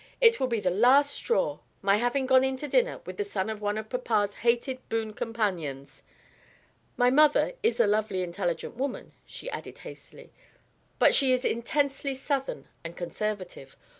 "It will be the last straw my having gone into dinner with the son of one of papa's hated boon companions. My mother is a lovely intelligent woman," she added hastily, "but she is intensely Southern and conservative.